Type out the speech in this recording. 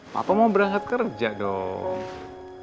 papa mau berangkat kerja dong